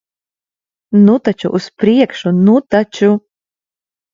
Nu taču, uz priekšu. Nu taču!